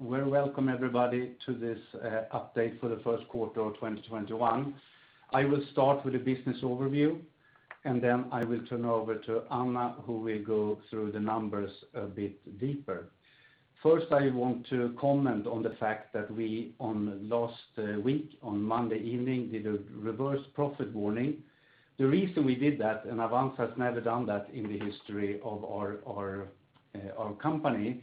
Well, welcome everybody to this update for the first quarter of 2021. I will start with a business overview, and then I will turn over to Anna, who will go through the numbers a bit deeper. First, I want to comment on the fact that we, on last week, on Monday evening, did a reverse profit warning. The reason we did that, and Avanza has never done that in the history of our company,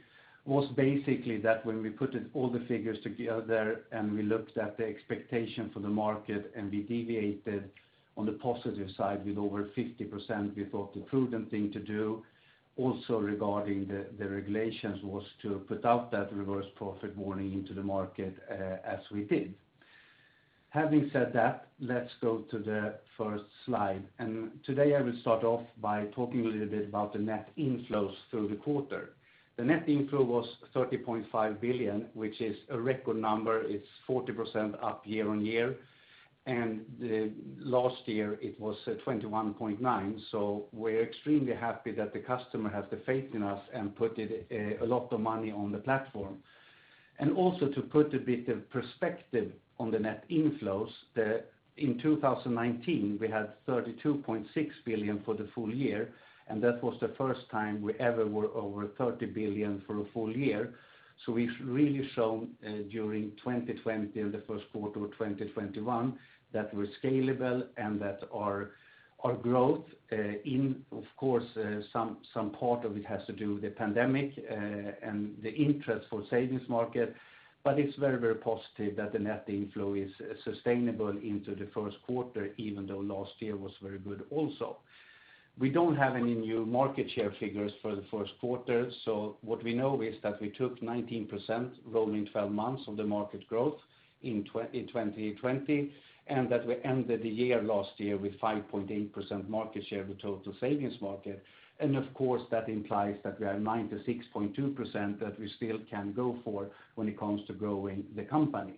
was basically that when we put all the figures together and we looked at the expectation for the market and we deviated on the positive side with over 50%, we thought the prudent thing to do, also regarding the regulations, was to put out that reverse profit warning into the market as we did. Having said that, let's go to the first slide. Today I will start off by talking a little bit about the net inflows through the quarter. The net inflow was 30.5 billion, which is a record number. It's 40% up year-on-year, and last year it was 21.9 billion. We're extremely happy that the customer has the faith in us and put a lot of money on the platform. Also to put a bit of perspective on the net inflows, in 2019, we had 32.6 billion for the full year, and that was the first time we ever were over 30 billion for a full year. We've really shown during 2020 and the first quarter of 2021 that we're scalable and that our growth in, of course, some part of it has to do with the pandemic, and the interest for savings market, but it's very positive that the net inflow is sustainable into the first quarter, even though last year was very good also. We don't have any new market share figures for the first quarter. What we know is that we took 19% rolling 12 months of the market growth in 2020, and that we ended the year last year with 5.8% market share of the total savings market. Of course, that implies that we have 96.2% that we still can go for when it comes to growing the company.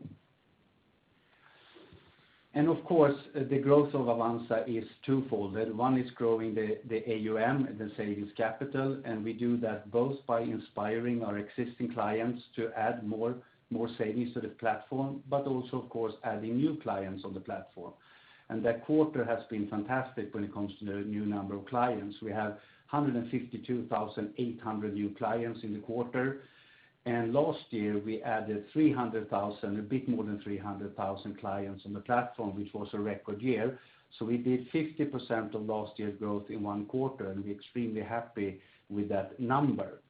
Of course, the growth of Avanza is twofold. One is growing the AUM, the savings capital. We do that both by inspiring our existing clients to add more savings to the platform, but also of course adding new clients on the platform. That quarter has been fantastic when it comes to the new number of clients. We have 152,800 new clients in the quarter, and last year we added a bit more than 300,000 clients on the platform, which was a record year. We did 50% of last year's growth in one quarter, and we're extremely happy with that number.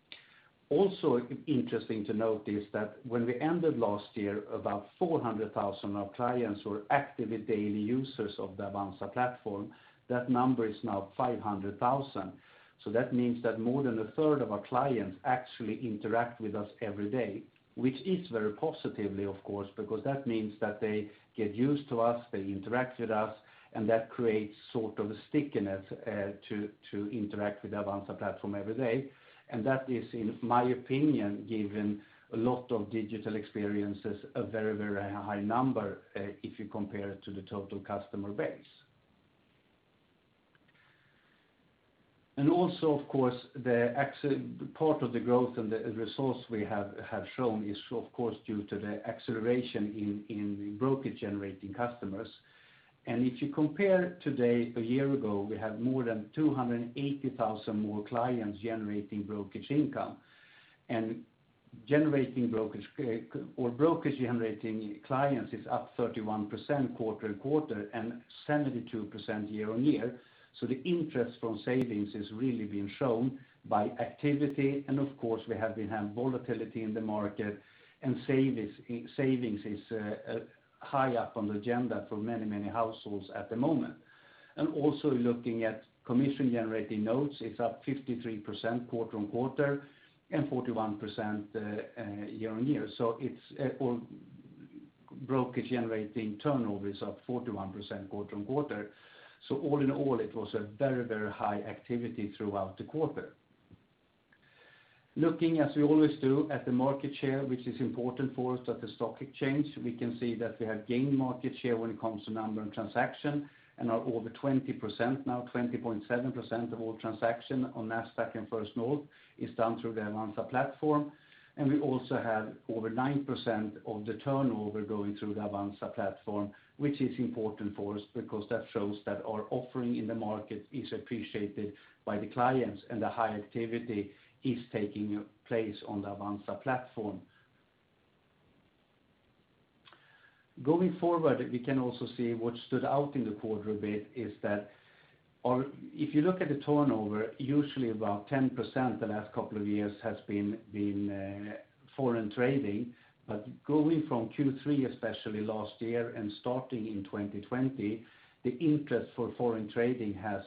Also interesting to note is that when we ended last year, about 400,000 of our clients were active daily users of the Avanza platform. That number is now 500,000. That means that more than a third of our clients actually interact with us every day, which is very positive of course, because that means that they get used to us, they interact with us, and that creates a stickiness to interact with the Avanza platform every day. That is, in my opinion, given a lot of digital experiences, a very high number, if you compare it to the total customer base. Also, of course, the part of the growth and the results we have shown is of course due to the acceleration in brokerage-generating customers. If you compare today, a year ago, we have more than 280,000 more clients generating brokerage income. Brokerage-generating clients is up 31% quarter-on-quarter and 72% year-on-year. The interest from savings is really being shown by activity, and of course, we have had volatility in the market and savings is high up on the agenda for many households at the moment. Looking at commission-generating notes, it's up 53% quarter-on-quarter and 41% year-on-year. Brokerage-generating turnover is up 41% quarter-on-quarter. All in all, it was a very high activity throughout the quarter. Looking as we always do at the market share, which is important for us at the stock exchange, we can see that we have gained market share when it comes to number and transaction and are over 20% now, 20.7% of all transaction on Nasdaq and First North is done through the Avanza platform. We also have over 9% of the turnover going through the Avanza platform, which is important for us because that shows that our offering in the market is appreciated by the clients and the high activity is taking place on the Avanza platform. Going forward, we can also see what stood out in the quarter a bit is that if you look at the turnover, usually about 10% the last couple of years has been foreign trading. Going from Q3, especially last year and starting in 2020, the interest for foreign trading has,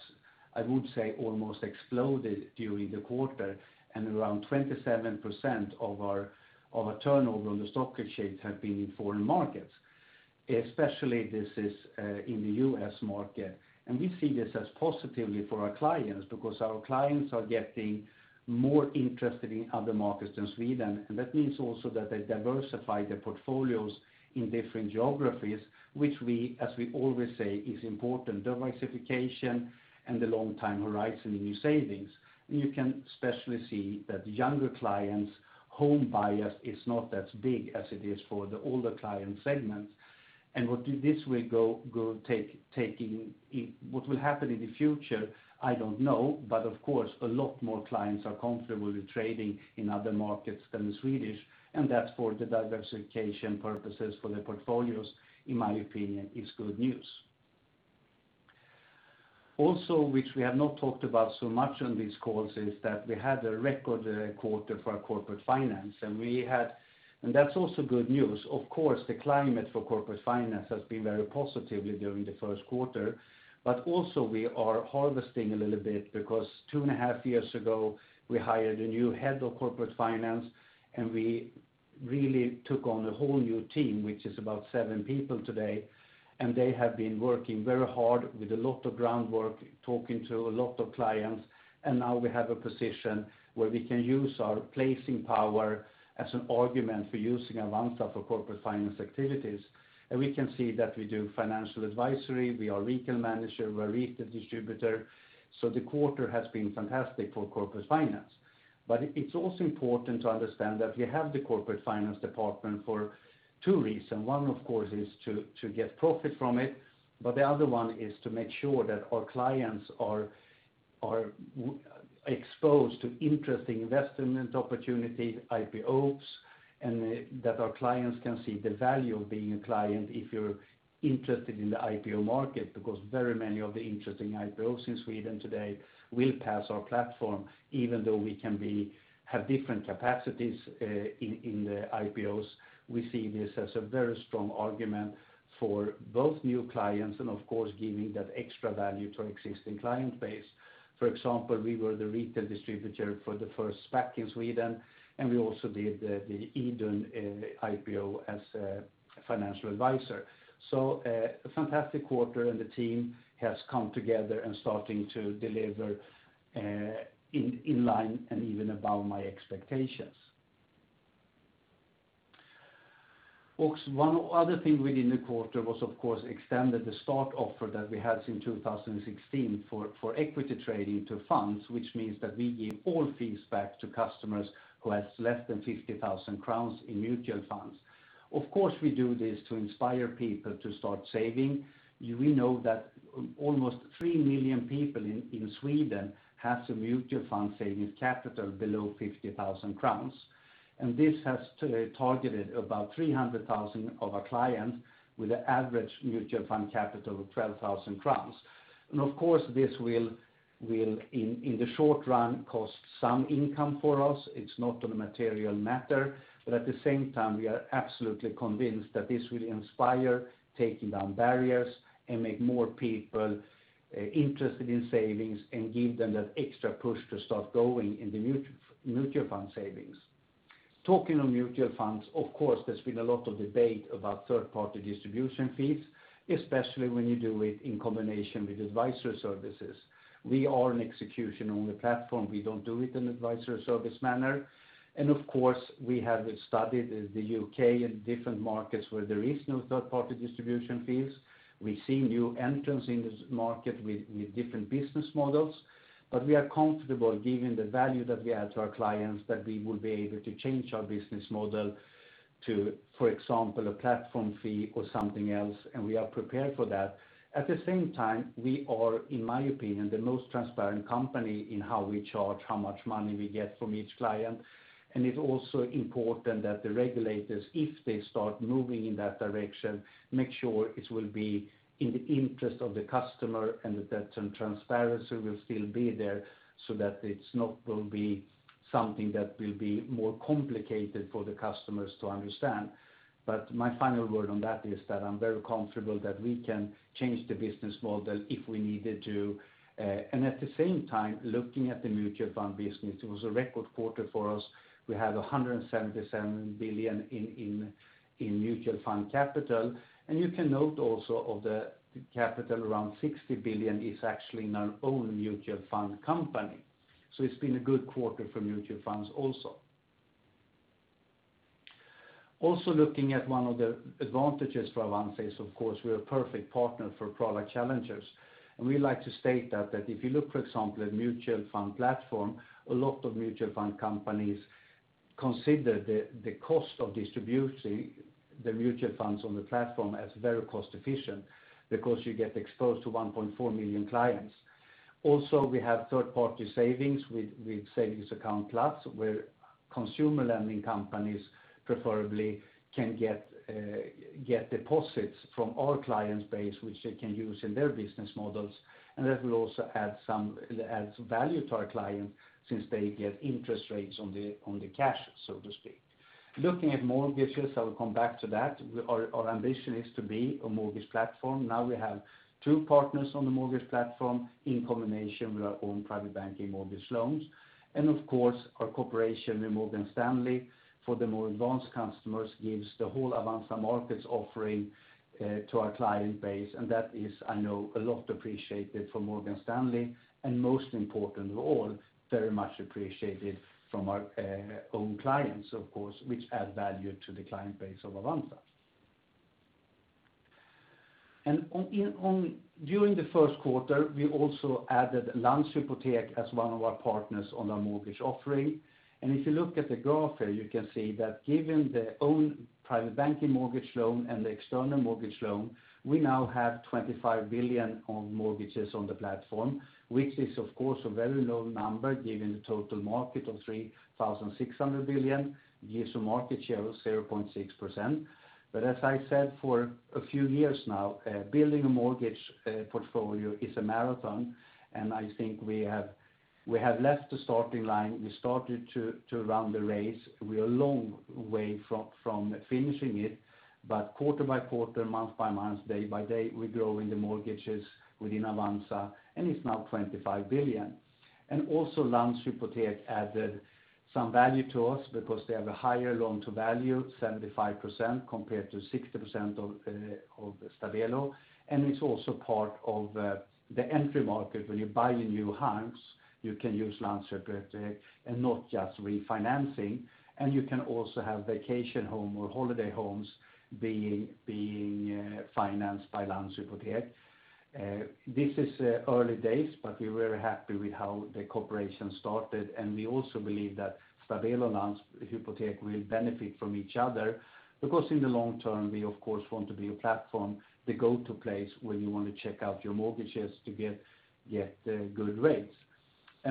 I would say, almost exploded during the quarter and around 27% of our turnover on the stock exchange have been in foreign markets. Especially this is in the U.S. market. We see this as positive for our clients because our clients are getting more interested in other markets than Sweden. That means also that they diversify their portfolios in different geographies, which as we always say is important, diversification and the long time horizon in new savings. You can especially see that younger clients, home bias is not as big as it is for the older client segments. What will happen in the future, I don't know, but of course, a lot more clients are comfortable with trading in other markets than the Swedish, and that for the diversification purposes for their portfolios, in my opinion, is good news. Also, which we have not talked about so much on these calls is that we had a record quarter for our Corporate Finance. That's also good news. Of course, the climate for Corporate Finance has been very positive during the first quarter, but also we are harvesting a little bit because two and a half years ago, we hired a new Head of Corporate Finance, and we really took on a whole new team, which is about seven people today, and they have been working very hard with a lot of groundwork, talking to a lot of clients. Now we have a position where we can use our placing power as an argument for using Avanza for Corporate Finance activities. We can see that we do financial advisory, we are retail manager, we are retail distributor. The quarter has been fantastic for Corporate Finance, but it's also important to understand that we have the Corporate Finance department for two reasons. One, of course, is to get profit from it, but the other one is to make sure that our clients are exposed to interesting investment opportunities, IPOs, and that our clients can see the value of being a client if you're interested in the IPO market, because very many of the interesting IPOs in Sweden today will pass our platform. Even though we can have different capacities in the IPOs, we see this as a very strong argument for both new clients and, of course, giving that extra value to our existing client base. For example, we were the retail distributor for the first SPAC in Sweden, and we also did the Idun IPO as a financial advisor. A fantastic quarter and the team has come together and starting to deliver in line and even above my expectations. One other thing within the quarter was, of course, extended the Start offer that we had in 2016 for equity trading to funds, which means that we give all fees back to customers who has less than 50,000 crowns in mutual funds. Of course, we do this to inspire people to start saving. We know that almost 3 million people in Sweden have some mutual fund savings capital below 50,000 crowns. This has targeted about 300,000 of our clients with an average mutual fund capital of 12,000 crowns. Of course, this will in the short run, cost some income for us. It's not a material matter, but at the same time, we are absolutely convinced that this will inspire taking down barriers and make more people interested in savings and give them that extra push to start going in the mutual fund savings. Talking of mutual funds, of course, there's been a lot of debate about third-party distribution fees, especially when you do it in combination with advisory services. We are an execution-only platform. We don't do it in advisory service manner. Of course, we have studied the U.K. and different markets where there is no third-party distribution fees. We see new entrants in this market with different business models, but we are comfortable giving the value that we add to our clients that we will be able to change our business model to, for example, a platform fee or something else, and we are prepared for that. At the same time, we are, in my opinion, the most transparent company in how we charge, how much money we get from each client. It's also important that the regulators, if they start moving in that direction, make sure it will be in the interest of the customer and that transparency will still be there so that it's not going to be something that will be more complicated for the customers to understand. My final word on that is that I'm very comfortable that we can change the business model if we needed to. At the same time, looking at the mutual fund business, it was a record quarter for us. We had 177 billion in mutual fund capital. You can note also of the capital, around 60 billion is actually in our own mutual fund company. It's been a good quarter for mutual funds also. Looking at one of the advantages for Avanza is, of course, we're a perfect partner for product challengers. We like to state that if you look, for example, at mutual fund platform, a lot of mutual fund companies consider the cost of distributing the mutual funds on the platform as very cost efficient because you get exposed to 1.4 million clients. Also, we have third-party savings with Savings Account Plus, where consumer lending companies preferably can get deposits from our clients base, which they can use in their business models, and that will also add value to our client since they get interest rates on the cash, so to speak. Looking at mortgages, I will come back to that. Our ambition is to be a mortgage platform. Now we have two partners on the mortgage platform in combination with our own Private Banking mortgage loans. Of course, our cooperation with Morgan Stanley for the more advanced customers gives the whole Avanza mortgage offering to our client base. That is, I know, a lot appreciated for Morgan Stanley and most important of all, very much appreciated from our own clients, of course, which add value to the client base of Avanza. During the first quarter, we also added Landshypotek as one of our partners on our mortgage offering. If you look at the graph here, you can see that given their own Private Banking mortgage loan and the external mortgage loan, we now have 25 billion on mortgages on the platform, which is, of course, a very low number given the total market of 3,600 billion gives a market share of 0.6%. As I said, for a few years now, building a mortgage portfolio is a marathon, and I think we have left the starting line. We started to run the race. We are long way from finishing it, but quarter by quarter, month by month, day by day, we're growing the mortgages within Avanza, and it's now 25 billion. Also Landshypotek added some value to us because they have a higher loan-to-value, 75% compared to 60% of Stabelo. It's also part of the entry market. When you're buying new homes, you can use Landshypotek and not just refinancing, and you can also have vacation home or holiday homes being financed by Landshypotek. This is early days, but we're very happy with how the cooperation started, and we also believe that Stabelo, Landshypotek will benefit from each other because in the long term, we of course, want to be a platform, the go-to place when you want to check out your mortgages to get good rates.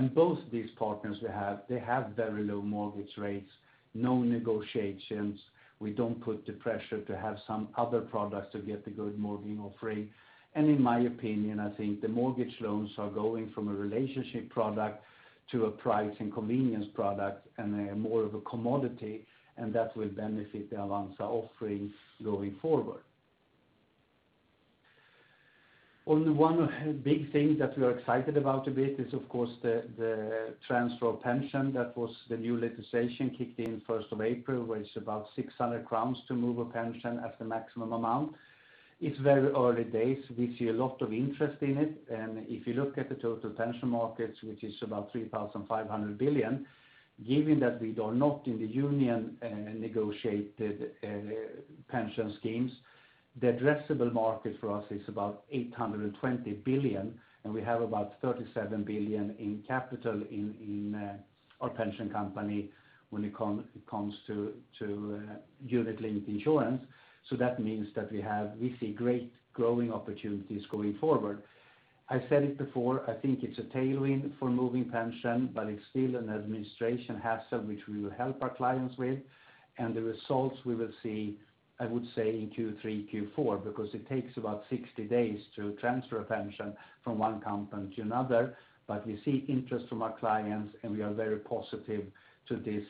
Both these partners we have, they have very low mortgage rates, no negotiations. We don't put the pressure to have some other products to get the good mortgage offering. In my opinion, I think the mortgage loans are going from a relationship product to a price and convenience product, and they are more of a commodity, and that will benefit the Avanza offering going forward. Only one big thing that we are excited about a bit is, of course, the transfer of pension. That was the new legislation kicked in April 1st, where it's about 600 crowns to move a pension at the maximum amount. It's very early days. We see a lot of interest in it. If you look at the total pension markets, which is about 3,500 billion, given that we are not in the union negotiated pension schemes, the addressable market for us is about 820 billion, and we have about 37 billion in capital in our pension company when it comes to unit-linked insurance. That means that we see great growing opportunities going forward. I said it before, I think it's a tailwind for moving pension, but it's still an administration hassle, which we will help our clients with. The results we will see, I would say in Q3, Q4, because it takes about 60 days to transfer a pension from one company to another. We see interest from our clients, and we are very positive to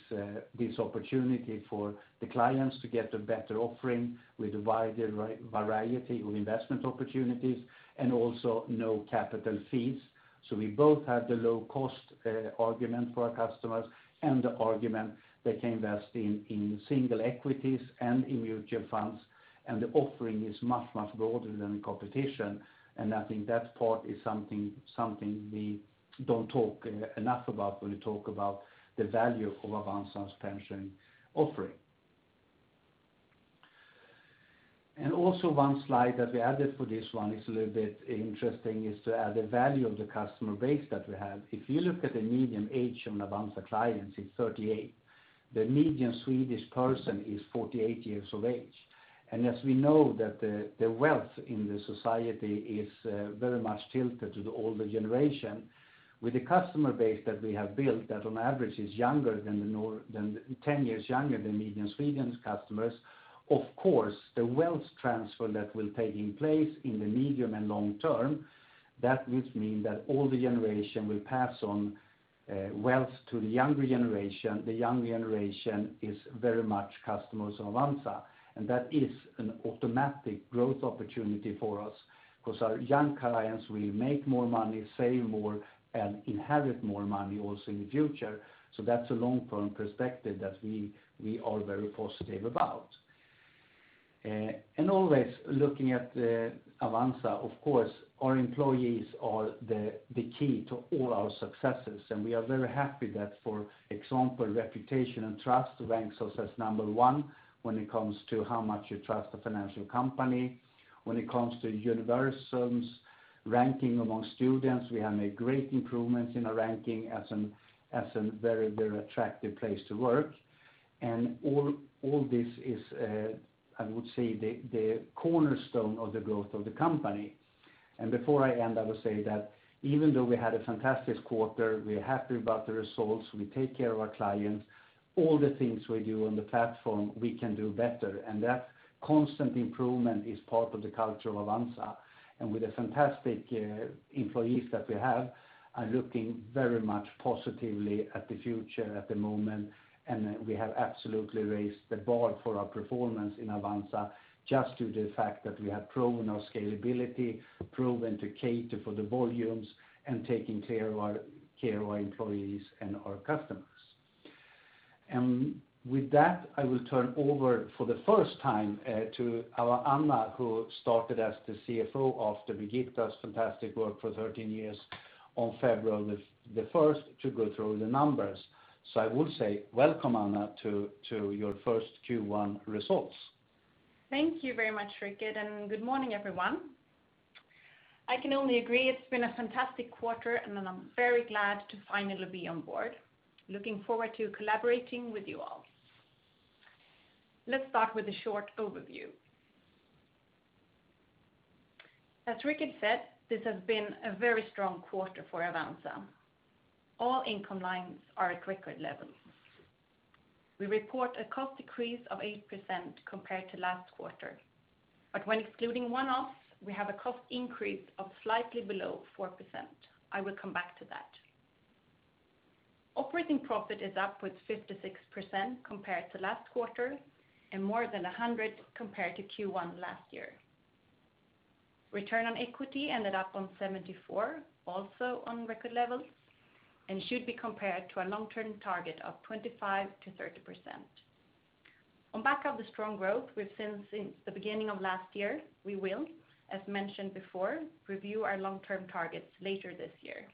this opportunity for the clients to get a better offering with a wider variety of investment opportunities and also no capital fees. We both have the low-cost argument for our customers and the argument they can invest in single equities and in mutual funds, and the offering is much, much broader than the competition. I think that part is something we don't talk enough about when we talk about the value of Avanza's pension offering. Also one slide that we added for this one is a little bit interesting, is to add the value of the customer base that we have. If you look at the median age of an Avanza client, it's 38. The median Swedish person is 48 years of age. As we know that the wealth in the society is very much tilted to the older generation, with the customer base that we have built, that on average is 10 years younger than median Sweden's customers, of course, the wealth transfer that will take in place in the medium and long term, that would mean that older generation will pass on wealth to the younger generation. The young generation is very much customers of Avanza, and that is an automatic growth opportunity for us because our young clients will make more money, save more, and inherit more money also in the future. That's a long-term perspective that we are very positive about. Always looking at Avanza, of course, our employees are the key to all our successes, and we are very happy that, for example, reputation and trust ranks us as number one when it comes to how much you trust a financial company. When it comes to Universum's ranking among students, we have made great improvements in our ranking as a very attractive place to work. All this is, I would say, the cornerstone of the growth of the company. Before I end, I would say that even though we had a fantastic quarter, we are happy about the results. We take care of our clients. All the things we do on the platform, we can do better. That constant improvement is part of the culture of Avanza. With the fantastic employees that we have, are looking very much positively at the future at the moment. We have absolutely raised the bar for our performance in Avanza just due to the fact that we have proven our scalability, proven to cater for the volumes, and taking care of our employees and our customers. With that, I will turn over for the first time to our Anna, who started as the CFO after Birgitta's fantastic work for 13 years on February 1st to go through the numbers. I will say welcome, Anna, to your first Q1 results. Thank you very much, Rikard. Good morning, everyone. I can only agree it's been a fantastic quarter, and I'm very glad to finally be on board. Looking forward to collaborating with you all. Let's start with a short overview. As Rikard said, this has been a very strong quarter for Avanza. All income lines are at record levels. We report a cost decrease of 8% compared to last quarter, but when excluding one-offs, we have a cost increase of slightly below 4%. I will come back to that. Operating profit is up with 56% compared to last quarter and more than 100% compared to Q1 last year. Return on equity ended up on 74%, also on record levels, and should be compared to a long-term target of 25%-30%. On back of the strong growth since the beginning of last year, we will, as mentioned before, review our long-term targets later this year.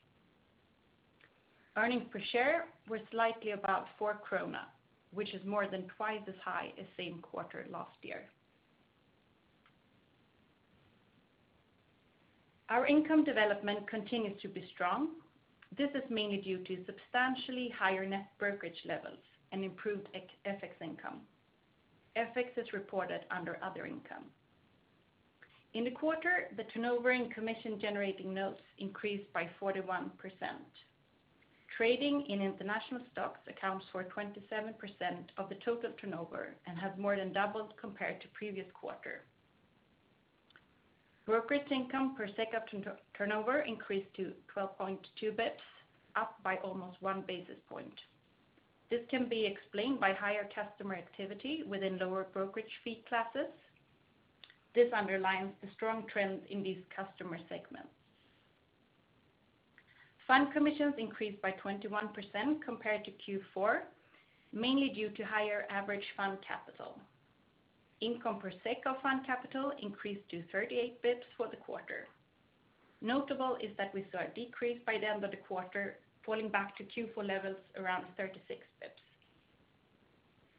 Earnings per share were slightly above 4 krona, which is more than twice as high as same quarter last year. Our income development continues to be strong. This is mainly due to substantially higher net brokerage levels and improved FX income. FX is reported under other income. In the quarter, the turnover in commission-generating notes increased by 41%. Trading in international stocks accounts for 27% of the total turnover and has more than doubled compared to previous quarter. Brokerage income per SEK of turnover increased to 12.2 basis points, up by almost 1 basis point. This can be explained by higher customer activity within lower brokerage fee classes. This underlines the strong trends in these customer segments. Fund commissions increased by 21% compared to Q4, mainly due to higher average fund capital. Income per SEK of fund capital increased to 38 bps for the quarter. Notable is that we saw a decrease by the end of the quarter, falling back to Q4 levels around 36 bps.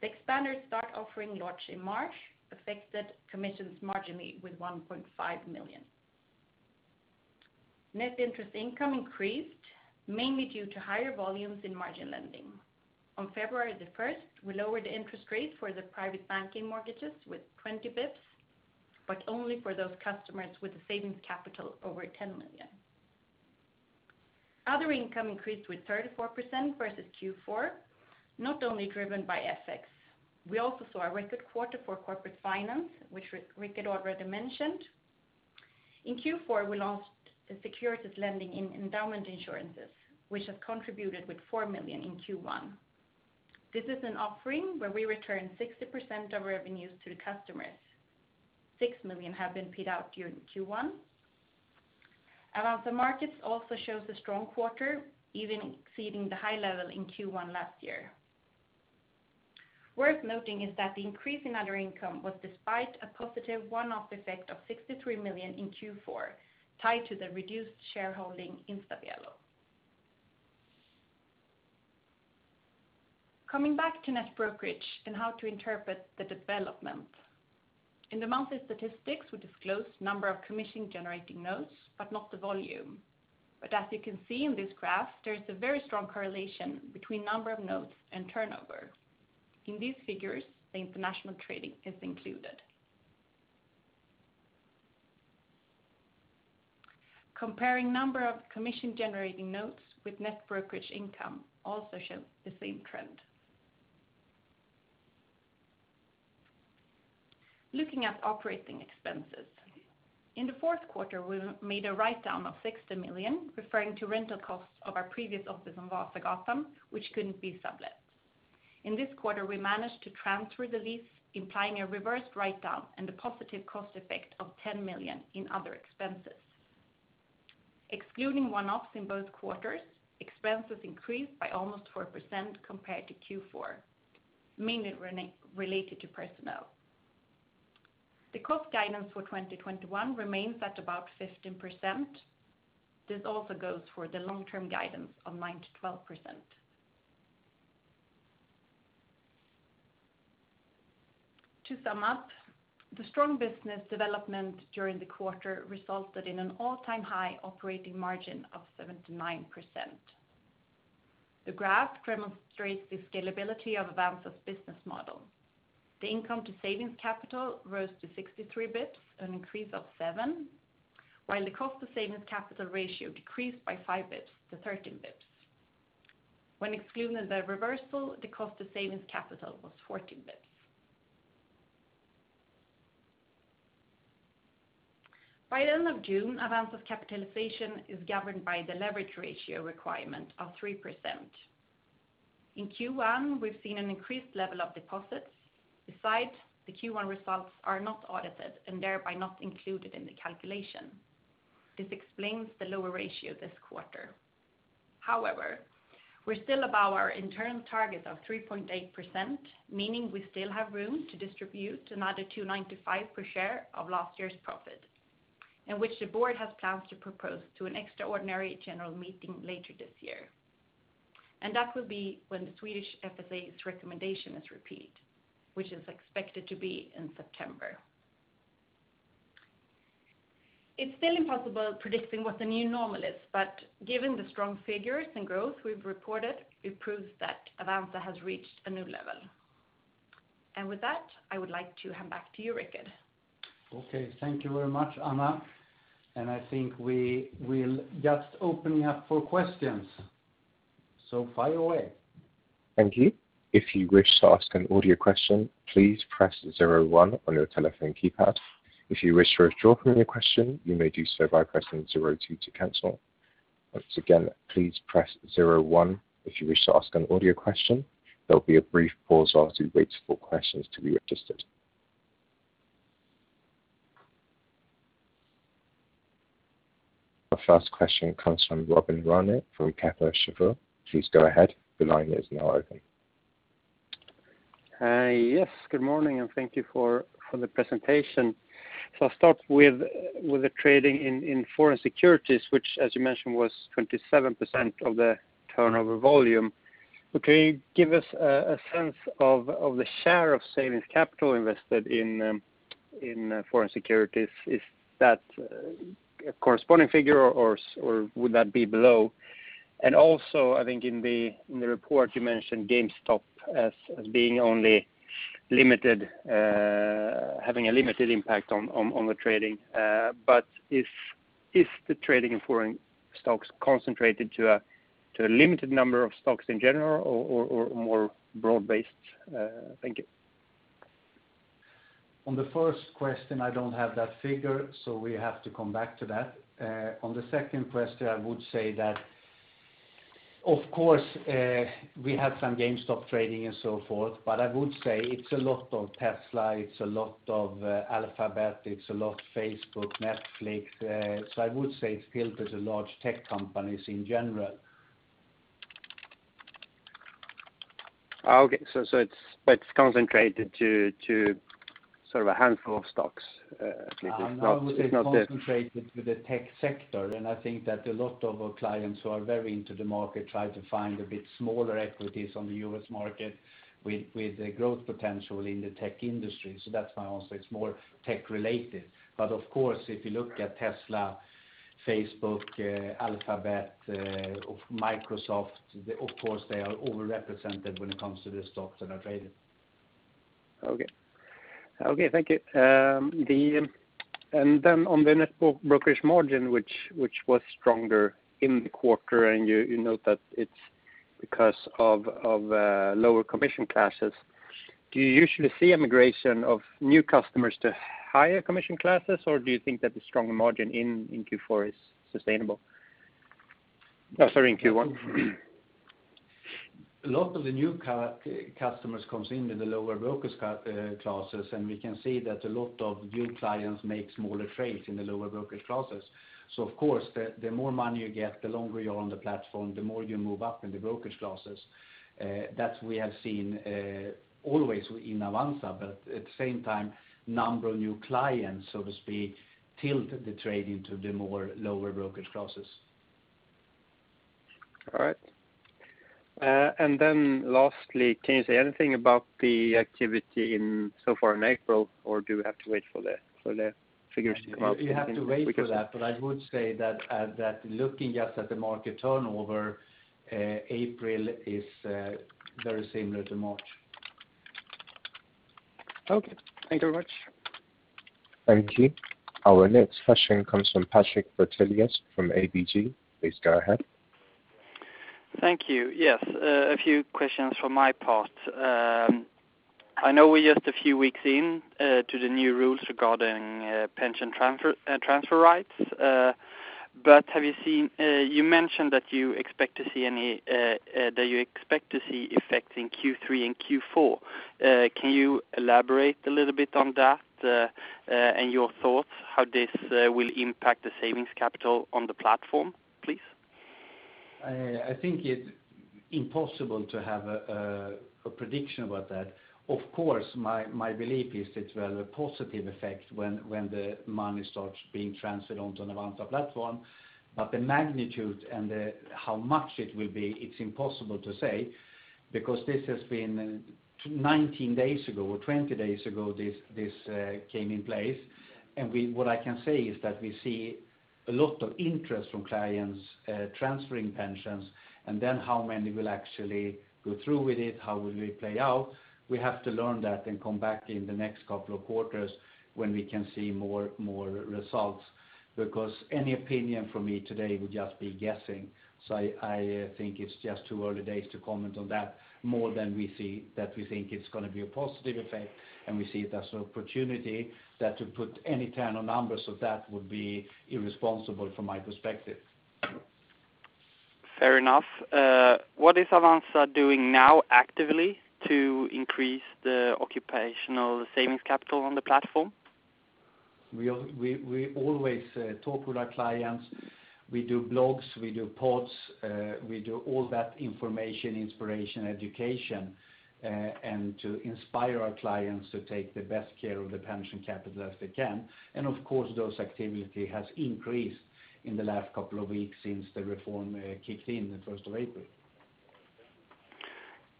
The expanded Start offering launched in March affected commissions marginally with 1.5 million. Net interest income increased mainly due to higher volumes in margin lending. On February 1st, we lowered the interest rate for the private banking mortgages with 20 bps, but only for those customers with a savings capital over 10 million. Other income increased with 34% versus Q4, not only driven by FX. We also saw a record quarter for Corporate Finance, which Rikard already mentioned. In Q4, we launched the securities lending in endowment insurances, which has contributed with 4 million in Q1. This is an offering where we return 60% of revenues to the customers. 6 million have been paid out during Q1. Avanza Markets also shows a strong quarter, even exceeding the high level in Q1 last year. Worth noting is that the increase in other income was despite a positive one-off effect of 63 million in Q4, tied to the reduced shareholding in Stabelo. Coming back to net brokerage and how to interpret the development. In the monthly statistics, we disclose number of commission-generating notes, not the volume. As you can see in this graph, there's a very strong correlation between number of notes and turnover. In these figures, the international trading is included. Comparing number of commission-generating notes with net brokerage income also shows the same trend. Looking at operating expenses. In the fourth quarter, we made a write-down of 60 million, referring to rental costs of our previous office on Vasagatan, which couldn't be sublet. In this quarter, we managed to transfer the lease, implying a reversed write-down and a positive cost effect of 10 million in other expenses. Excluding one-offs in both quarters, expenses increased by almost 4% compared to Q4, mainly related to personnel. The cost guidance for 2021 remains at about 15%. This also goes for the long-term guidance of 9%-12%. To sum up, the strong business development during the quarter resulted in an all-time high operating margin of 79%. The graph demonstrates the scalability of Avanza's business model. The income to savings capital rose to 63 bps, an increase of 7 bps, while the cost to savings capital ratio decreased by 5 bps to 13 bps. When excluding the reversal, the cost to savings capital was 14 bps. By the end of June, Avanza's capitalization is governed by the leverage ratio requirement of 3%. In Q1, we've seen an increased level of deposits. The Q1 results are not audited and thereby not included in the calculation. This explains the lower ratio this quarter. We're still above our internal target of 3.8%, meaning we still have room to distribute another 2.95 per share of last year's profit. In which the board has plans to propose to an extraordinary general meeting later this year. That will be when the Swedish FSA's recommendation is repealed, which is expected to be in September. It's still impossible predicting what the new normal is, given the strong figures and growth we've reported, it proves that Avanza has reached a new level. With that, I would like to hand back to you, Rikard. Okay. Thank you very much, Anna. I think we will just open you up for questions. Fire away. Thank you. If you wish to ask an audio question, please press zero one on your telephone keypad. If you wish to withdraw from your question, you may do so by pressing zero two to cancel. Once again, please press zero one if you wish to ask an audio question. There'll be a brief pause while we wait for questions to be registered. Our first question comes from Robin Rane from Kepler Cheuvreux. Please go ahead. The line is now open. Yes, good morning, and thank you for the presentation. I'll start with the trading in foreign securities, which as you mentioned, was 27% of the turnover volume. Could you give us a sense of the share of savings capital invested in foreign securities? Is that a corresponding figure or would that be below? Also, I think in the report you mentioned GameStop as having a limited impact on the trading. Is the trading in foreign stocks concentrated to a limited number of stocks in general, or more broad-based? Thank you. On the first question, I don't have that figure, so we have to come back to that. On the second question, I would say that, of course, we have some GameStop trading and so forth, but I would say it's a lot of Tesla, it's a lot of Alphabet, it's a lot of Facebook, Netflix. I would say it filters the large tech companies in general. Okay, it's concentrated to sort of a handful of stocks. I would say it's concentrated to the tech sector. I think that a lot of our clients who are very into the market try to find a bit smaller equities on the U.S. market with the growth potential in the tech industry. That's why also it's more tech-related. Of course, if you look at Tesla, Facebook, Alphabet, Microsoft, of course they are over-represented when it comes to the stocks that are traded. Okay. Thank you. On the net brokerage margin, which was stronger in the quarter, you note that it's because of lower commission classes. Do you usually see a migration of new customers to higher commission classes, or do you think that the stronger margin in Q4 is sustainable? Oh, sorry, in Q1. A lot of the new customers comes in with the lower brokerage classes. We can see that a lot of new clients make smaller trades in the lower brokerage classes. Of course, the more money you get, the longer you're on the platform, the more you move up in the brokerage classes. That we have seen always in Avanza, but at the same time, number of new clients, so to speak, tilt the trade into the more lower brokerage classes. All right. Lastly, can you say anything about the activity so far in April, or do we have to wait for the figures to come out? You have to wait for that. I would say that, looking just at the market turnover, April is very similar to March. Okay. Thank you very much. Thank you. Our next question comes from Patrik Brattelius from ABG. Please go ahead. Thank you. Yes. A few questions from my part. I know we're just a few weeks in to the new rules regarding pension transfer rights. You mentioned that you expect to see effects in Q3 and Q4. Can you elaborate a little bit on that, and your thoughts how this will impact the savings capital on the platform, please? I think it's impossible to have a prediction about that. Of course, my belief is it will have a positive effect when the money starts being transferred onto an Avanza platform, but the magnitude and how much it will be, it's impossible to say, because this has been 19 days ago, or 20 days ago, this came in place. What I can say is that we see a lot of interest from clients transferring pensions, and then how many will actually go through with it, how will it play out, we have to learn that and come back in the next couple of quarters when we can see more results. Any opinion from me today would just be guessing. I think it's just too early days to comment on that more than that we think it's going to be a positive effect, and we see it as an opportunity. That to put any kind of numbers of that would be irresponsible from my perspective. Fair enough. What is Avanza doing now actively to increase the occupational savings capital on the platform? We always talk with our clients. We do blogs, we do posts, we do all that information, inspiration, education, to inspire our clients to take the best care of their pension capital as they can. Of course, that activity has increased in the last couple of weeks since the reform kicked in the April 1st.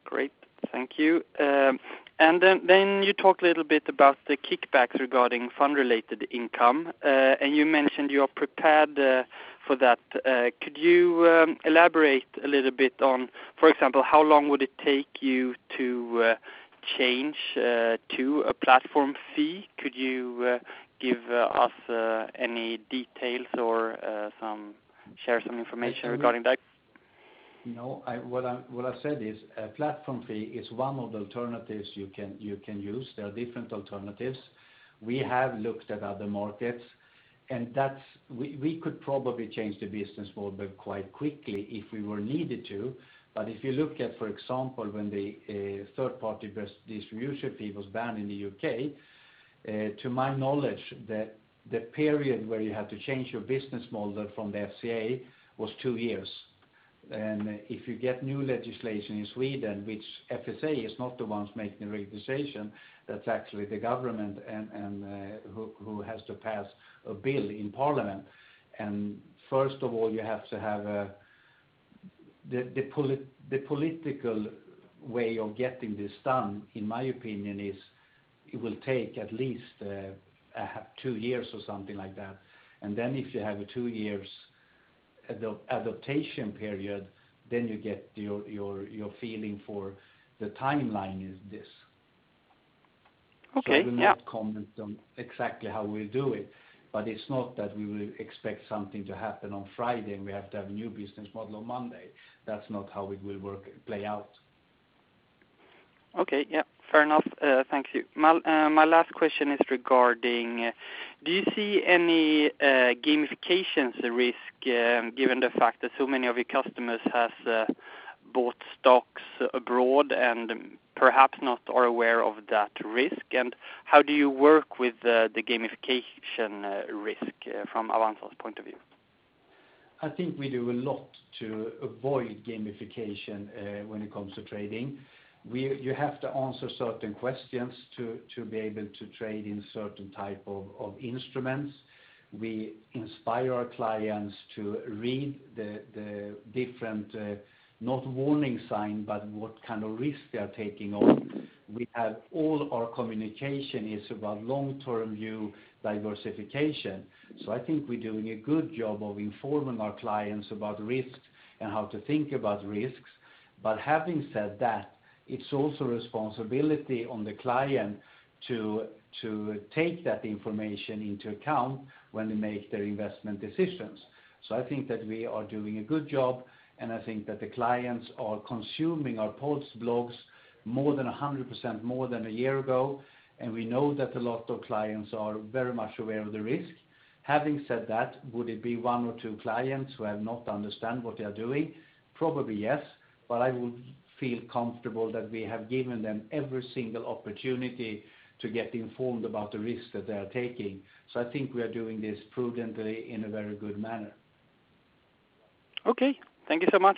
Great. Thank you. Then you talked a little bit about the kickback regarding fund-related income, and you mentioned you are prepared for that. Could you elaborate a little bit on, for example, how long would it take you to change to a platform fee? Could you give us any details or share some information regarding that? No. What I said is a platform fee is one of the alternatives you can use. There are different alternatives. We have looked at other markets, we could probably change the business model quite quickly if we were needed to. If you look at, for example, when the third-party distribution fee was banned in the U.K., to my knowledge, the period where you had to change your business model from the FCA was two years. If you get new legislation in Sweden, which FSA is not the ones making the legislation, that's actually the government who has to pass a bill in parliament. First of all, the political way of getting this done, in my opinion, it will take at least two years or something like that. If you have a two-year adaptation period, you get your feeling for the timeline is this. Okay. Yeah. I will not comment on exactly how we'll do it. It's not that we will expect something to happen on Friday, and we have to have a new business model on Monday. That's not how it will play out. Okay. Fair enough. Thank you. My last question is regarding, do you see any gamification risk, given the fact that so many of your customers have bought stocks abroad and perhaps not are aware of that risk? How do you work with the gamification risk from Avanza's point of view? I think we do a lot to avoid gamification when it comes to trading. You have to answer certain questions to be able to trade in certain type of instruments. We inspire our clients to read the different, not warning sign, but what kind of risk they are taking on. All our communication is about long-term view diversification. I think we're doing a good job of informing our clients about risks and how to think about risks. Having said that, it's also responsibility on the client to take that information into account when they make their investment decisions. I think that we are doing a good job, and I think that the clients are consuming our posts, blogs, more than 100% more than a year ago, and we know that a lot of clients are very much aware of the risk. Having said that, would it be one or two clients who have not understand what they are doing? Probably, yes. I would feel comfortable that we have given them every single opportunity to get informed about the risks that they are taking. I think we are doing this prudently in a very good manner. Okay. Thank you so much.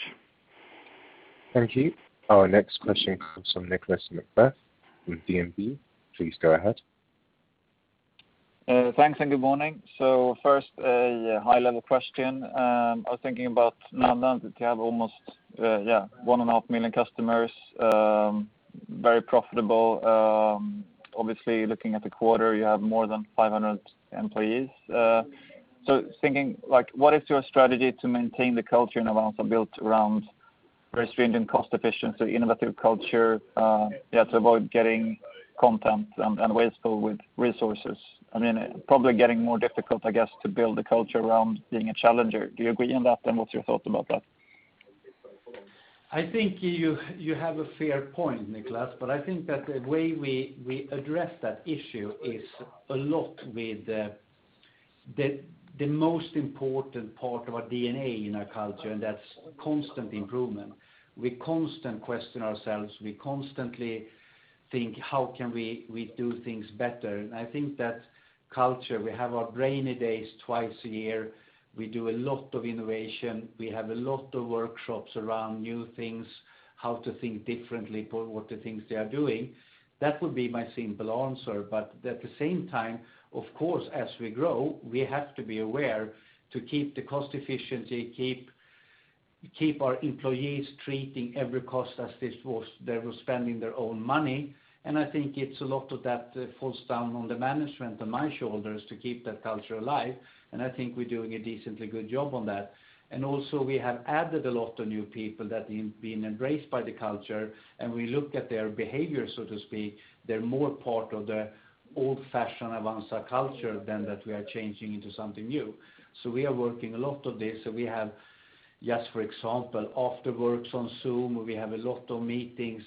Thank you. Our next question comes from Nicolas McBeath with DNB. Please go ahead. Thanks, and good morning. First, a high-level question. I was thinking about now that you have almost 1.5 million customers, very profitable. Obviously, looking at the quarter, you have more than 500 employees. Thinking, what is your strategy to maintain the culture in Avanza built around very stringent cost efficiency, innovative culture to avoid getting content and wasteful with resources? Probably getting more difficult, I guess, to build a culture around being a challenger. Do you agree on that? What's your thoughts about that? I think you have a fair point, Nicolas. I think that the way we address that issue is a lot with the most important part of our DNA in our culture, that's constant improvement. We constantly question ourselves. We constantly think, how can we do things better? I think that culture, we have our Brainy Days twice a year. We do a lot of innovation. We have a lot of workshops around new things, how to think differently for what the things they are doing. That would be my simple answer. At the same time, of course, as we grow, we have to be aware to keep the cost efficiency, keep our employees treating every cost as if they were spending their own money. I think it's a lot of that falls down on the management, on my shoulders, to keep that culture alive, and I think we're doing a decently good job on that. Also, we have added a lot of new people that have been embraced by the culture, and we look at their behavior, so to speak. They're more part of the old-fashioned Avanza culture than that we are changing into something new. We are working a lot of this. We have just, for example, after works on Zoom. We have a lot of meetings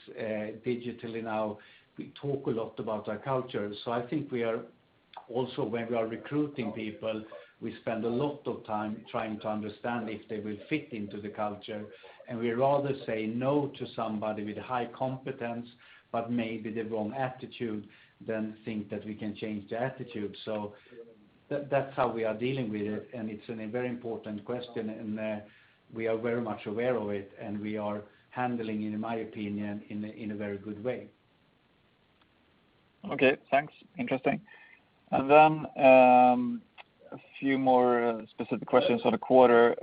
digitally now. We talk a lot about our culture. When we are recruiting people, we spend a lot of time trying to understand if they will fit into the culture, and we rather say no to somebody with high competence, but maybe the wrong attitude, than think that we can change the attitude. That's how we are dealing with it, and it's a very important question, and we are very much aware of it, and we are handling it, in my opinion, in a very good way. Okay, thanks. Interesting. A few more specific questions on the quarter.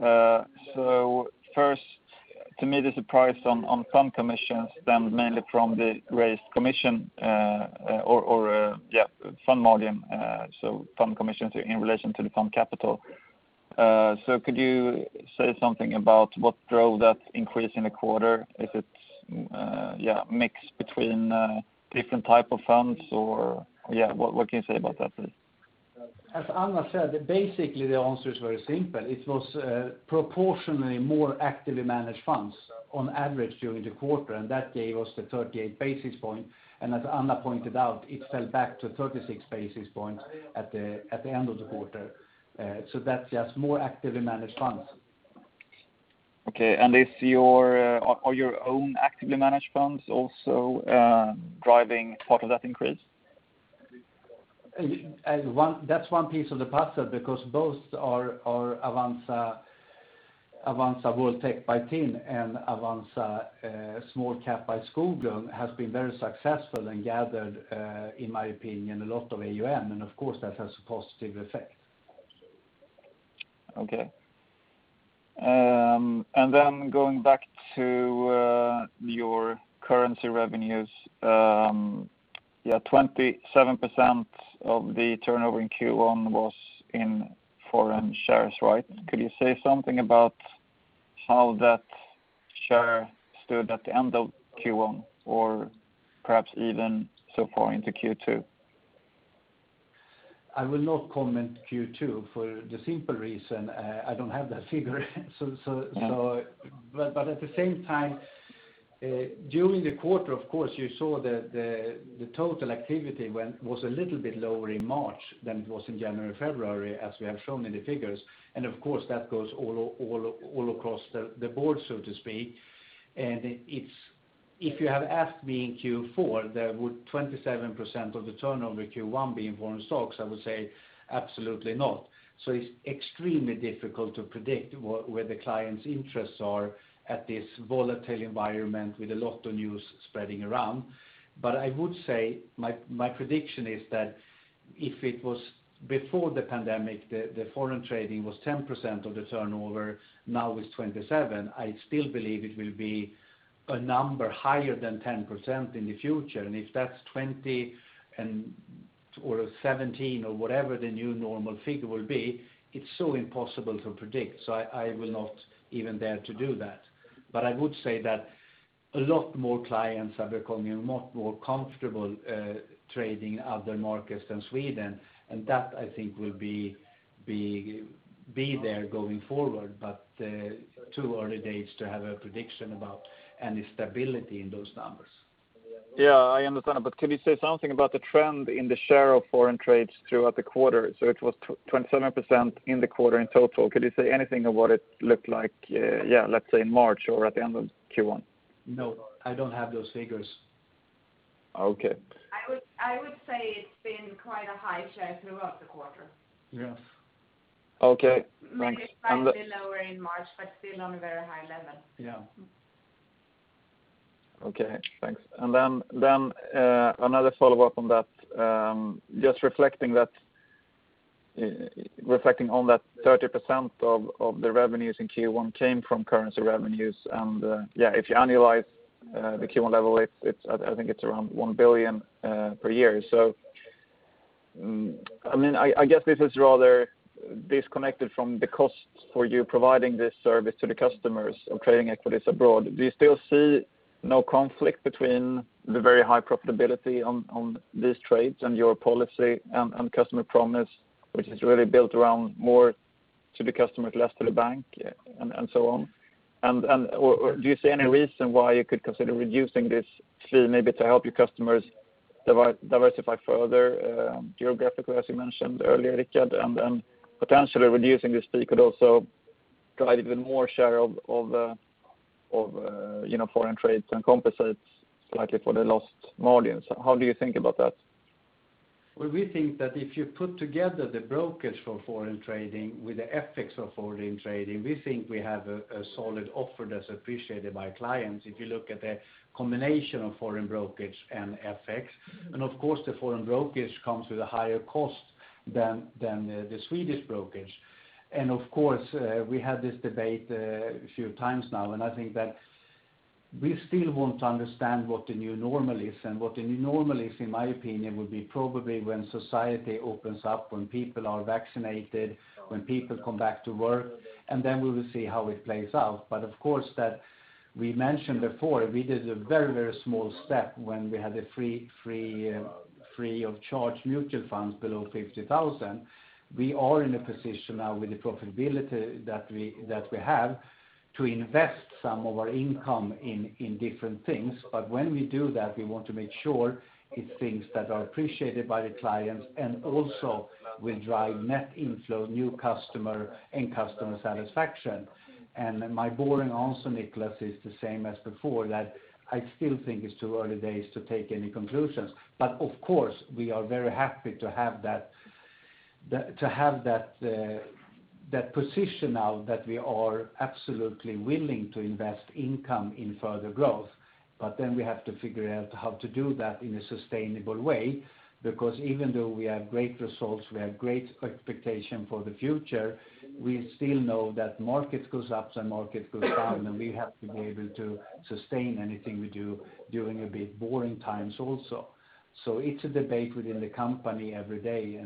First, to me, the surprise on fund commissions stemmed mainly from the raised commission or fund margin, so fund commissions in relation to the fund capital. Could you say something about what drove that increase in the quarter? Is it a mix between different type of funds or what can you say about that please? As Anna said, basically the answer is very simple. It was proportionally more actively managed funds on average during the quarter. That gave us the 38 basis point. As Anna pointed out, it fell back to 36 basis points at the end of the quarter. That's just more actively managed funds. Okay, are your own actively managed funds also driving part of that increase? That's one piece of the puzzle because both our Avanza World Tech by TIN and Avanza Småbolag by Skoglund has been very successful and gathered, in my opinion, a lot of AUM, and of course, that has a positive effect. Okay. Then going back to your currency revenues, 27% of the turnover in Q1 was in foreign shares, right? Could you say something about how that share stood at the end of Q1 or perhaps even so far into Q2? I will not comment Q2 for the simple reason I don't have that figure. At the same time, during the quarter, of course, you saw the total activity was a little bit lower in March than it was in January, February, as we have shown in the figures. Of course, that goes all across the board, so to speak. If you have asked me in Q4, there would 27% of the turnover Q1 be in foreign stocks, I would say absolutely not. It's extremely difficult to predict where the clients' interests are at this volatile environment with a lot of news spreading around. I would say my prediction is that if it was before the pandemic, the foreign trading was 10% of the turnover, now it's 27%. I still believe it will be a number higher than 10% in the future. If that's 20% or 17% or whatever the new normal figure will be, it's so impossible to predict. I will not even dare to do that. I would say that a lot more clients are becoming much more comfortable trading other markets than Sweden, and that I think will be there going forward, but too early days to have a prediction about any stability in those numbers. Yeah, I understand. Could you say something about the trend in the share of foreign trades throughout the quarter? It was 27% in the quarter in total. Could you say anything of what it looked like, let's say in March or at the end of Q1? No, I don't have those figures. Okay. I would say it's been quite a high share throughout the quarter. Yes. Okay, thanks. Maybe slightly lower in March, but still on a very high level. Yeah. Okay, thanks. Another follow-up on that. Just reflecting on that 30% of the revenues in Q1 came from currency revenues. If you annualize the Q1 level, I think it's around 1 billion per year. I guess this is rather disconnected from the costs for you providing this service to the customers of trading equities abroad. Do you still see no conflict between the very high profitability on these trades and your policy and customer promise, which is really built around more to the customers, less to the bank, and so on? Do you see any reason why you could consider reducing this fee maybe to help your customers diversify further geographically, as you mentioned earlier, Rikard, and then potentially reducing this fee could also drive even more share of foreign trade and compensate slightly for the lost margins? How do you think about that? Well, we think that if you put together the brokerage for foreign trading with the FX of foreign trading, we think we have a solid offer that's appreciated by clients if you look at the combination of foreign brokerage and FX. Of course, the foreign brokerage comes with a higher cost than the Swedish brokerage. Of course, we had this debate a few times now, and I think that we still want to understand what the new normal is. What the new normal is, in my opinion, would be probably when society opens up, when people are vaccinated, when people come back to work, and then we will see how it plays out. Of course, we mentioned before, we did a very small step when we had a free of charge mutual funds below 50,000. We are in a position now with the profitability that we have to invest some of our income in different things. When we do that, we want to make sure it's things that are appreciated by the clients and also will drive net inflow, new customer, and customer satisfaction. My boring answer, Nicolas, is the same as before that I still think it's too early days to take any conclusions. Of course, we are very happy to have that position now that we are absolutely willing to invest income in further growth. Then we have to figure out how to do that in a sustainable way, because even though we have great results, we have great expectation for the future. We still know that market goes ups and market goes down, and we have to be able to sustain anything we do during a bit boring times also. It's a debate within the company every day,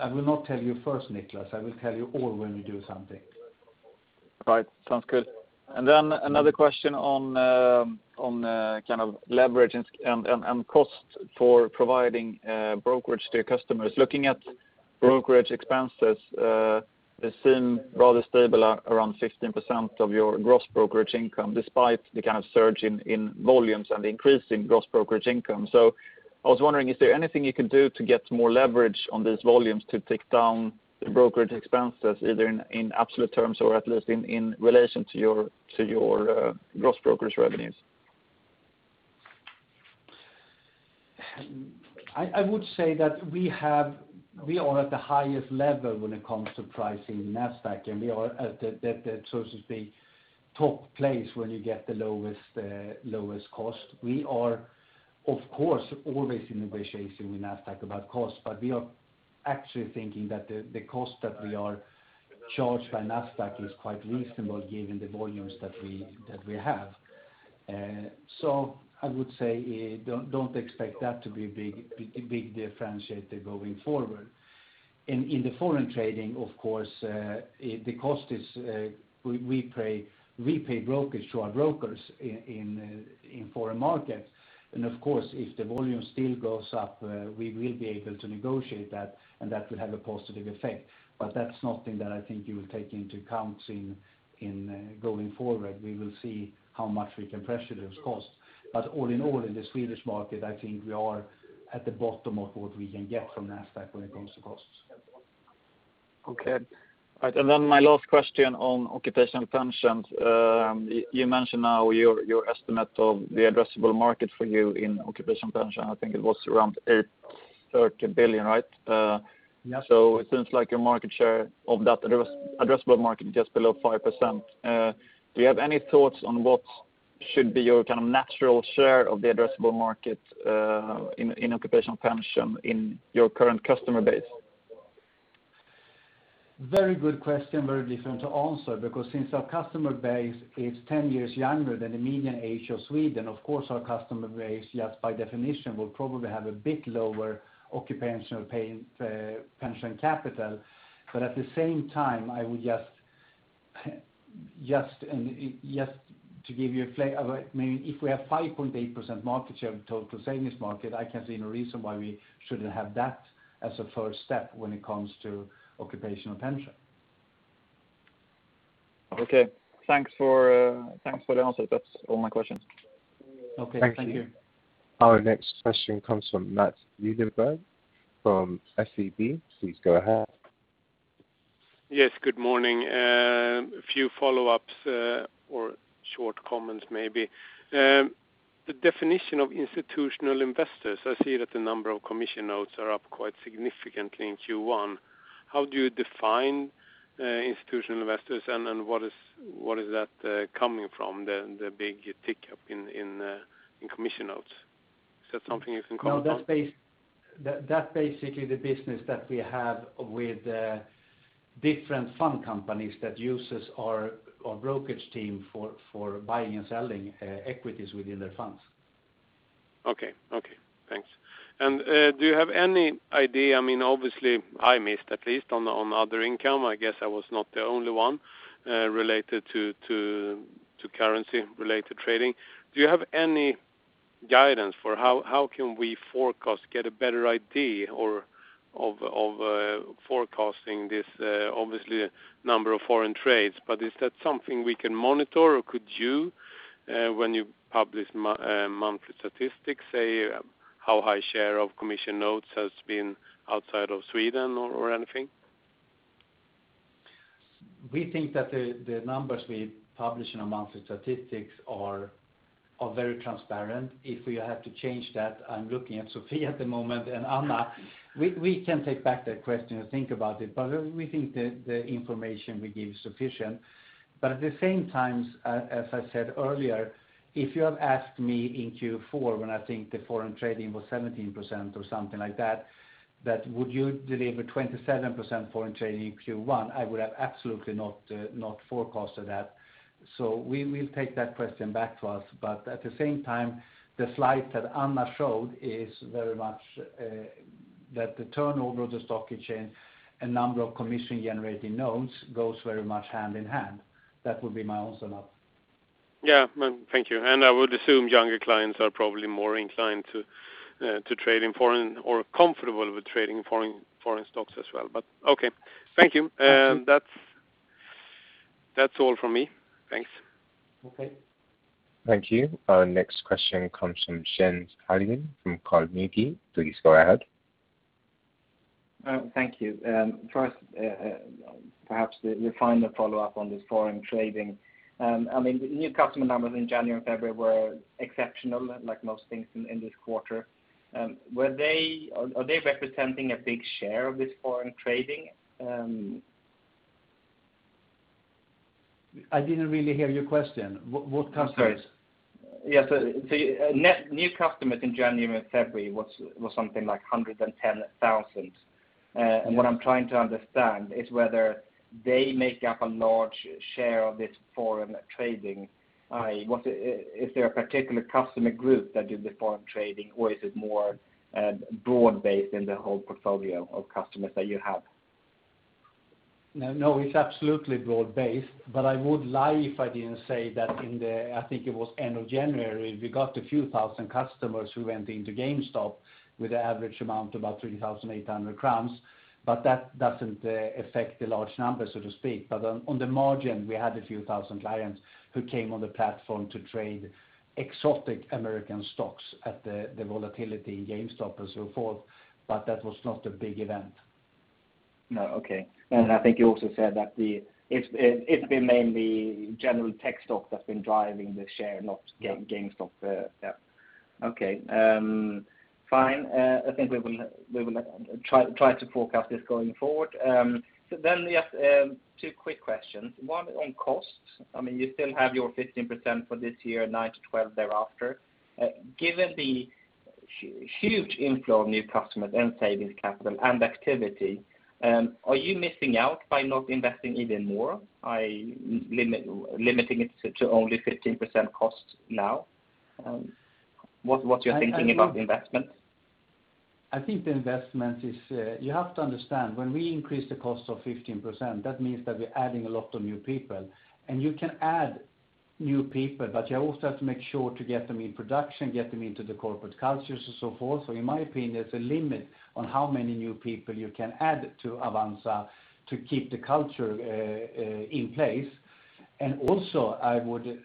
I will not tell you first, Nicolas, I will tell you all when we do something. Right. Sounds good. Then another question on leverage and cost for providing brokerage to your customers. Looking at brokerage expenses, they seem rather stable at around 16% of your gross brokerage income, despite the surge in volumes and increase in gross brokerage income. I was wondering, is there anything you could do to get more leverage on these volumes to take down the brokerage expenses, either in absolute terms or at least in relation to your gross brokerage revenues? I would say that we are at the highest level when it comes to pricing Nasdaq, and we are at the, so to speak, top place where you get the lowest cost. We are, of course, always in negotiation with Nasdaq about cost, but we are actually thinking that the cost that we are charged by Nasdaq is quite reasonable given the volumes that we have. I would say, don't expect that to be a big differentiator going forward. In the foreign trading, of course, we pay brokerage to our brokers in foreign markets. Of course, if the volume still goes up, we will be able to negotiate that, and that will have a positive effect. That's nothing that I think you will take into account going forward. We will see how much we can pressure those costs. All in all, in the Swedish market, I think we are at the bottom of what we can get from Nasdaq when it comes to costs. Okay. All right, my last question on occupational pensions. You mentioned now your estimate of the addressable market for you in occupational pension, I think it was around 830 billion, right? Yes. It seems like your market share of that addressable market just below 5%. Do you have any thoughts on what should be your natural share of the addressable market in occupational pension in your current customer base? Very good question. Very different to answer because since our customer base is 10 years younger than the median age of Sweden, of course, our customer base, just by definition, will probably have a bit lower occupational pension capital. At the same time, if we have 5.8% market share of the total savings market, I can see no reason why we shouldn't have that as a first step when it comes to occupational pension. Okay. Thanks for the answer. That's all my questions. Okay. Thank you. Our next question comes from Maths Liljedahl from SEB. Please go ahead. Yes, good morning. A few follow-ups or short comments maybe. The definition of institutional investors, I see that the number of commission notes are up quite significantly in Q1. How do you define institutional investors and what is that coming from, the big tick up in commission notes? Is that something you can comment on? That basically the business that we have with different fund companies that uses our brokerage team for buying and selling equities within their funds. Okay. Thanks. Obviously, I missed at least on other income. I guess I was not the only one, related to currency, related to trading. Do you have any guidance for how can we forecast, get a better idea of forecasting this, obviously number of foreign trades, but is that something we can monitor or could you, when you publish monthly statistics, say how high share of commission notes has been outside of Sweden or anything? We think that the numbers we publish in our monthly statistics are very transparent. If we have to change that, I'm looking at Sofia at the moment and Anna, we can take back that question and think about it, but we think the information we give is sufficient. At the same time, as I said earlier, if you have asked me in Q4 when I think the foreign trading was 17% or something like that would you deliver 27% foreign trading in Q1? I would have absolutely not forecasted that. We will take that question back to us. At the same time, the slide that Anna showed is very much that the turnover of the stock exchange and number of commission-generating notes goes very much hand in hand. That would be my answer now. Yeah. Thank you. I would assume younger clients are probably more inclined to trade in foreign or comfortable with trading foreign stocks as well. Okay, thank you. That's all from me. Thanks. Okay. Thank you. Our next question comes from Jens Hallén from Carnegie. Please go ahead. Thank you. First, perhaps the final follow-up on this foreign trading. The new customer numbers in January and February were exceptional, like most things in this quarter. Are they representing a big share of this foreign trading? I didn't really hear your question. What customers? Sorry. New customers in January and February was something like 110,000. What I'm trying to understand is whether they make up a large share of this foreign trading. Is there a particular customer group that did the foreign trading, or is it more broad-based in the whole portfolio of customers that you have? It's absolutely broad-based, but I would lie if I didn't say that in the, I think it was end of January, we got a few thousand customers who went into GameStop with an average amount about 3,800 crowns, but that doesn't affect the large numbers, so to speak. On the margin, we had a few thousand clients who came on the platform to trade exotic American stocks at the volatility in GameStop and so forth, but that was not a big event. No. Okay. I think you also said that it's been mainly general tech stock that's been driving the share, not GameStop. Yeah. Okay. Fine. I think we will try to forecast this going forward. I have two quick questions. One on costs. You still have your 15% for this year, 9%-12% thereafter. Given the huge inflow of new customers and savings capital and activity, are you missing out by not investing even more, by limiting it to only 15% cost now? What's your thinking about investment? You have to understand, when we increase the cost of 15%, that means that we're adding a lot of new people. You can add new people, but you also have to make sure to get them in production, get them into the corporate cultures and so forth. In my opinion, there's a limit on how many new people you can add to Avanza to keep the culture in place. Also, I would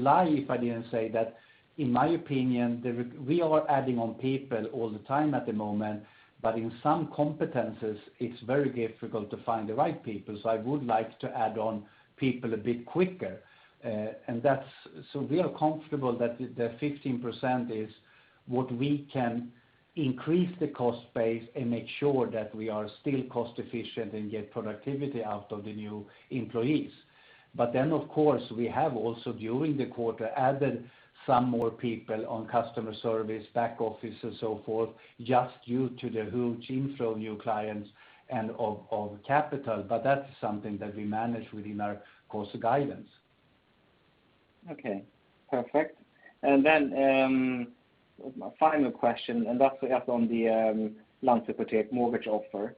lie if I didn't say that, in my opinion, we are adding on people all the time at the moment, but in some competencies, it's very difficult to find the right people. I would like to add on people a bit quicker. We are comfortable that the 15% is what we can increase the cost base and make sure that we are still cost efficient and get productivity out of the new employees. Of course, we have also during the quarter added some more people on customer service, back office, and so forth, just due to the huge inflow of new clients and of capital. That's something that we manage within our cost guidance. Okay. Perfect. My final question, and that's on the Landshypotek mortgage offer.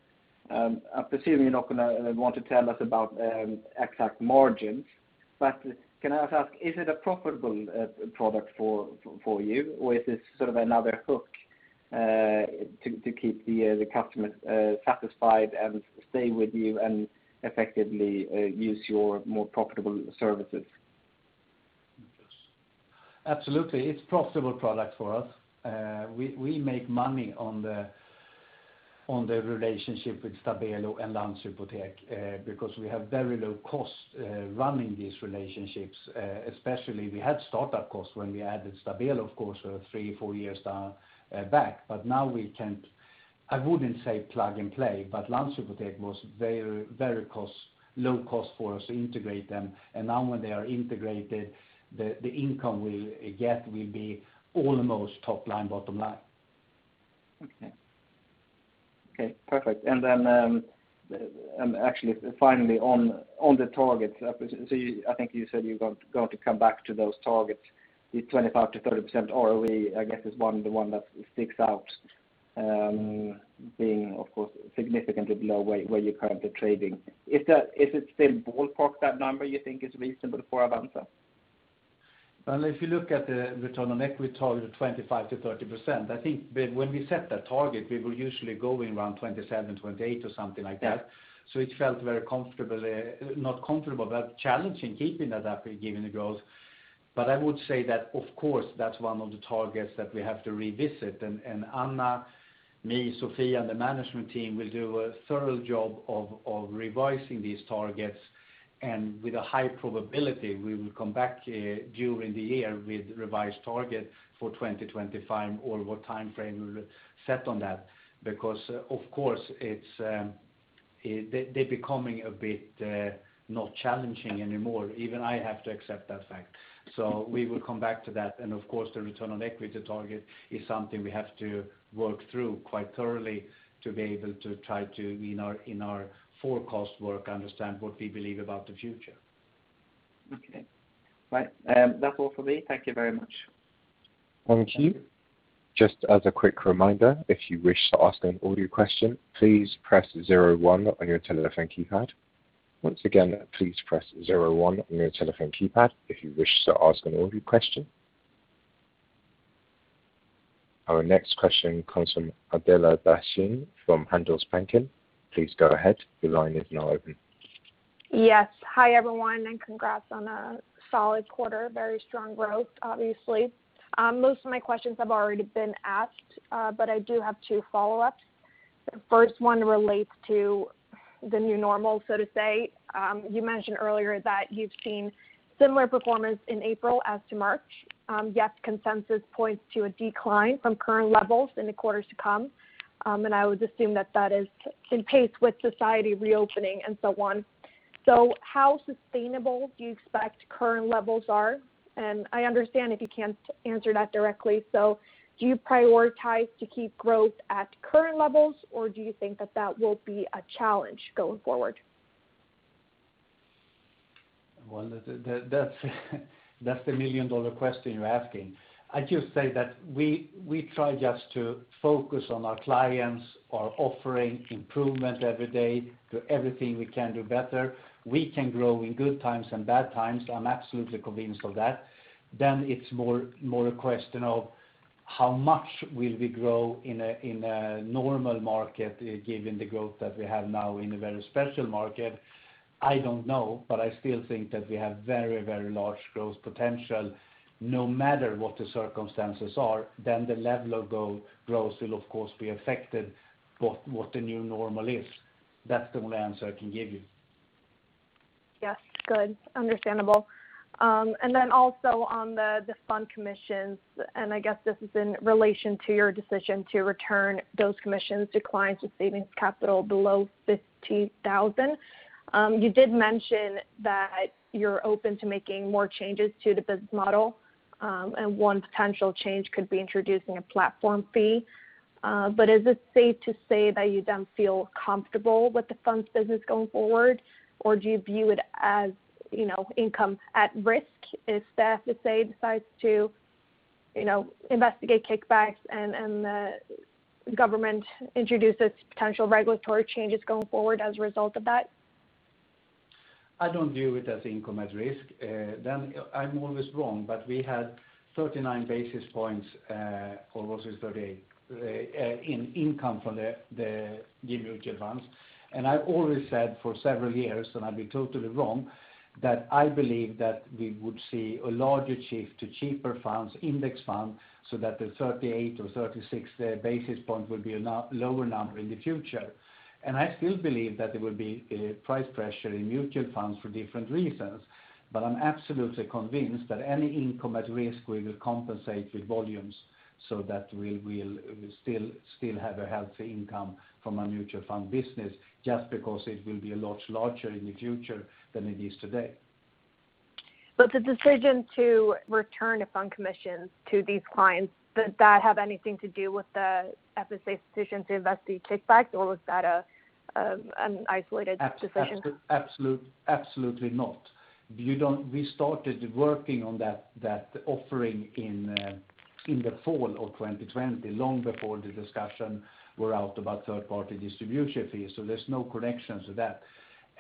I presume you're not going to want to tell us about exact margins, but can I ask, is it a profitable product for you, or is this sort of another hook to keep the customers satisfied and stay with you and effectively use your more profitable services? Absolutely. It's profitable product for us. We make money on the relationship with Stabelo and Landshypotek because we have very low costs running these relationships, especially we had startup costs when we added Stabelo, of course, three, four years back. Now we can't, I wouldn't say plug and play, but Landshypotek was very low cost for us to integrate them. Now when they are integrated, the income we get will be almost top line, bottom line. Okay. Perfect. Then, actually, finally on the targets, I think you said you're going to come back to those targets. The 25%-30% ROE, I guess, is the one that sticks out, being, of course, significantly below where you're currently trading. If it's still ballpark, that number you think is reasonable for Avanza? Well, if you look at the return on equity target of 25%-30%, I think when we set that target, we were usually going around 27%, 28% or something like that. Yeah. It felt very challenging keeping that up given the growth. I would say that, of course, that's one of the targets that we have to revisit. Anna, me, Sofia, and the management team will do a thorough job of revising these targets. With a high probability, we will come back during the year with revised targets for 2025 or what time frame we will set on that. Of course, they're becoming a bit not challenging anymore. Even I have to accept that fact. We will come back to that. Of course, the return on equity target is something we have to work through quite thoroughly to be able to try to, in our forecast work, understand what we believe about the future. Okay. Right. That's all for me. Thank you very much. Thank you. Just as a quick reminder, if you wish to ask an audio question, please press zero one on your telephone keypad. Once again, please press zero one on your telephone keypad if you wish to ask an audio question. Our next question comes from Adela Dashian from Handelsbanken. Please go ahead. The line is now open. Yes. Hi, everyone, congrats on a solid quarter. Very strong growth, obviously. Most of my questions have already been asked, I do have two follow-ups. The first one relates to the new normal, so to say. You mentioned earlier that you've seen similar performance in April as to March. Consensus points to a decline from current levels in the quarters to come, and I would assume that is in pace with society reopening and so on. How sustainable do you expect current levels are? I understand if you can't answer that directly. Do you prioritize to keep growth at current levels, or do you think that that will be a challenge going forward? Well, that's the million-dollar question you're asking. I just say that we try just to focus on our clients, our offering improvement every day, do everything we can do better. We can grow in good times and bad times. I'm absolutely convinced of that. It's more a question of how much will we grow in a normal market given the growth that we have now in a very special market. I don't know, but I still think that we have very large growth potential no matter what the circumstances are. The level of growth will, of course, be affected by what the new normal is. That's the only answer I can give you. Yes. Good. Understandable. Also on the fund commissions, I guess this is in relation to your decision to return those commissions to clients with savings capital below 50,000. You did mention that you're open to making more changes to the business model. One potential change could be introducing a platform fee. Is it safe to say that you don't feel comfortable with the funds business going forward, or do you view it as income at risk if the Finansinspektionen decides to investigate kickbacks and the government introduces potential regulatory changes going forward as a result of that? I don't view it as income at risk. I'm always wrong, but we had 39 basis points, or was it 38 basis points, in income from the mutual funds. I've always said for several years, and I'd be totally wrong, that I believe that we would see a larger shift to cheaper funds, index funds, so that the 38 or 36 basis points will be a lower number in the future. I still believe that there will be price pressure in mutual funds for different reasons. I'm absolutely convinced that any income at risk, we will compensate with volumes so that we will still have a healthy income from our mutual fund business just because it will be a lot larger in the future than it is today. The decision to return the fund commissions to these clients, did that have anything to do with the Finansinspektionen decision to investigate kickbacks, or was that an isolated decision? Absolutely not. We started working on that offering in the fall of 2020, long before the discussion were out about third-party distribution fees, so there's no connection to that.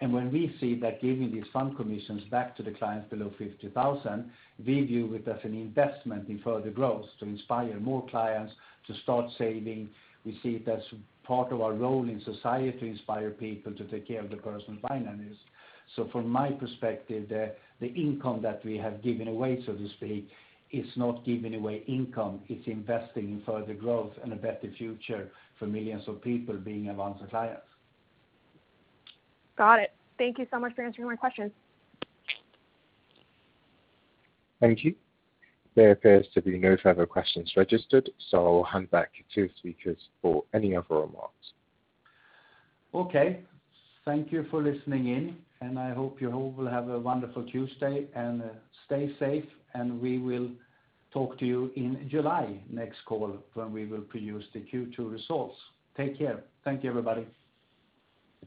When we see that giving these fund commissions back to the clients below 50,000, we view it as an investment in further growth to inspire more clients to start saving. We see it as part of our role in society to inspire people to take care of their personal finances. From my perspective, the income that we have given away, so to speak, is not giving away income. It's investing in further growth and a better future for millions of people being Avanza clients. Got it. Thank you so much for answering my questions. Thank you. There appears to be no further questions registered. I'll hand back to speakers for any other remarks. Okay. Thank you for listening in. I hope you all will have a wonderful Tuesday and stay safe. We will talk to you in July, next call, when we will produce the Q2 results. Take care. Thank you, everybody.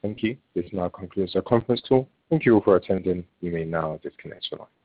Thank you. This now concludes our conference call. Thank you for attending. You may now disconnect your line.